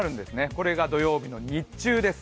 これが土曜日の日中です。